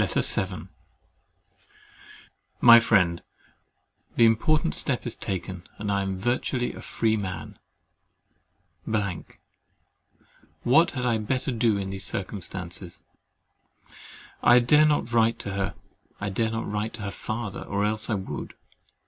LETTER VII My dear Friend, The important step is taken, and I am virtually a free man. What had I better do in these circumstances? I dare not write to her, I dare not write to her father, or else I would.